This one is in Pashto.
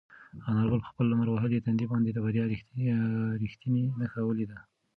انارګل په خپل لمر وهلي تندي باندې د بریا رښتینې نښه ولیده.